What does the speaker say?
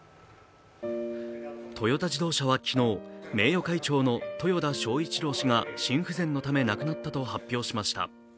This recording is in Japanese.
トヨタ自動車は昨日名誉会長の豊田章一郎氏が心不全のため亡くなったと発表しました。